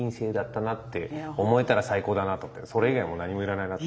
それ以外はもう何もいらないなって。